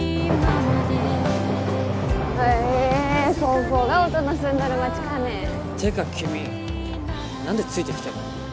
ここが音の住んどる街かねてか君何でついてきてんの？